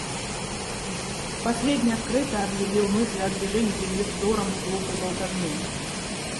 Последний открыто объявил мысль о движении Земли вздором и глупой болтовней.